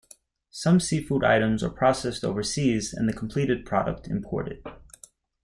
Some seafood items are processed overseas and the completed product imported.